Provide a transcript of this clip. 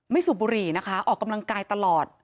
สูบบุหรี่นะคะออกกำลังกายตลอด